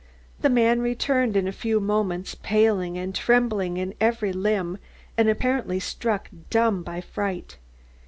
The man returned in a few moments, pale and trembling in every limb and apparently struck dumb by fright.